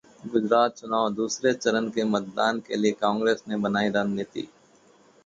गुजरात चुनाव: दूसरे चरण के मतदान के लिए कांग्रेस ने बनाई रणनीति